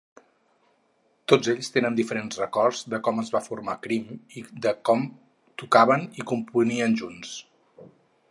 Tots ells tenen diferents records de com es va formar Cream i de com tocaven i componien junts.